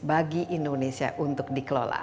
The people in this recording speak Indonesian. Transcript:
bagi indonesia untuk dikelola